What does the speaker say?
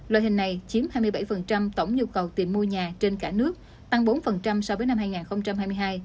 loại hình này chiếm hai mươi bảy tổng nhu cầu tìm mua nhà trên cả nước tăng bốn so với năm hai nghìn hai mươi hai